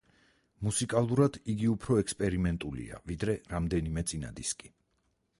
მუსიკალურად იგი უფრო ექსპერიმენტულია, ვიდრე რამდენიმე წინა დისკი.